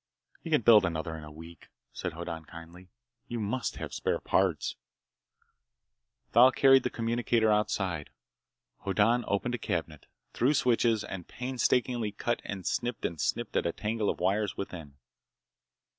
"You can build another in a week," said Hoddan kindly. "You must have spare parts." Thal carried the communicator outside. Hoddan opened a cabinet, threw switches, and painstakingly cut and snipped and snipped at a tangle of wires within.